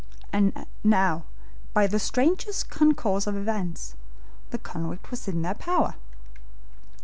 And now, by the strangest concourse of events, the convict was in their power.